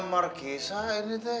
marissa ini teh